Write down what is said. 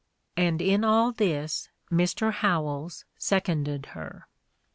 And in all this Mr. Howells seconded her.